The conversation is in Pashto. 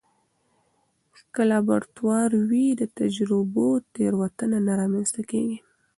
که لابراتوار وي، د تجربو تېروتنه نه رامنځته کېږي.